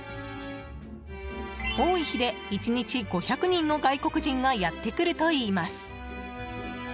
多い日で１日５００人の外国人がやってくるといいます。